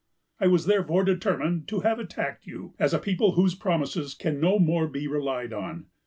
"I was therefore determined to have attacked you, as a people whose promises can no more be relied on.